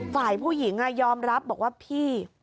ฝ่ายผู้หญิงยอมรับบอกว่าพี่